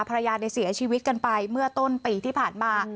ภรรยาได้เสียชีวิตกันไปเมื่อต้นปีที่ผ่านมา